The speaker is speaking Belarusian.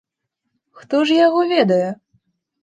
Хто ж яго ведае!